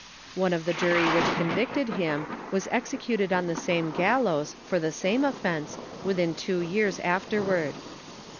One of the jury which convicted him, was executed on the same gallows, for the same offense, within two years afterward.